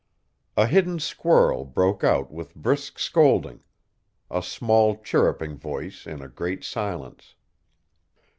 A hidden squirrel broke out with brisk scolding, a small chirruping voice in a great silence.